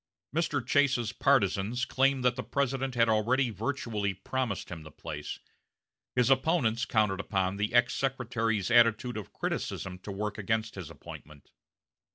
Mr. Chase's partizans claimed that the President had already virtually promised him the place; his opponents counted upon the ex secretary's attitude of criticism to work against his appointment.